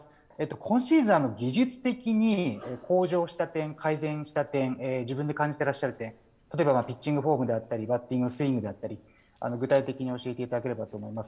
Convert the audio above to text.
今シーズン、技術的に向上した点、改善した点、自分で感じていらっしゃる点、例えばピッチングフォームであったりバッティングスイングであったり、具体的に教えていただければと思います。